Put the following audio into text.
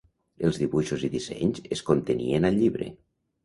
Els dibuixos i dissenys es contenien al llibre.